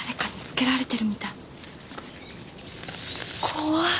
怖い。